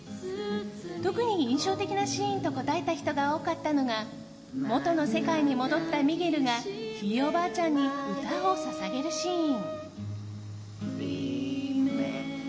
特に印象的なシーンと答えた人が多かったのが元の世界に戻ったミゲルがひいおばあちゃんに歌を捧げるシーン。